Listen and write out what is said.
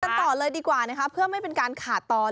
ต่อเลยดีกว่านะคะเพื่อไม่เป็นการขาดตอน